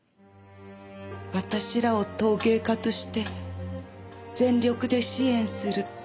私らを陶芸家として全力で支援するって。